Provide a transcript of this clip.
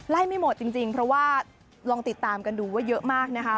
ไม่หมดจริงเพราะว่าลองติดตามกันดูว่าเยอะมากนะคะ